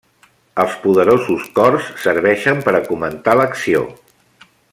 Els poderosos cors serveixen per a comentar l'acció.